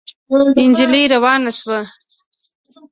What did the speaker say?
نجلۍ روانه شوه.